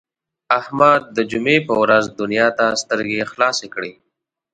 احمد د جمعې په ورځ دنیا ته سترګې خلاصې کړې.